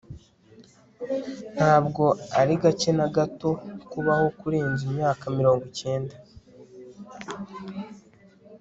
ntabwo ari gake na gato kubaho kurenza imyaka mirongo cyenda